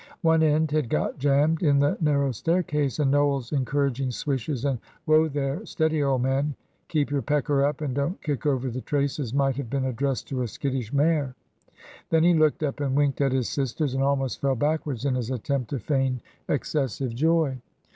One end had got jammed in the narrow staircase, and Noel's encouraging "swishes" and "Whoa, there steady, old man! Keep your pecker up, and don't kick over the traces," might have been addressed to a skittish mare. Then he looked up and winked at his sisters, and almost fell backwards in his attempt to feign excessive joy.